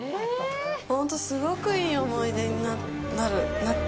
本当、すごくいい思い出になった。